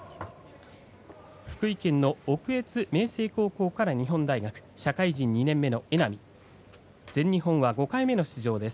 福井県の奥越明成高校から日本大学、社会人２年目の榎波全日本は５回目の出場です。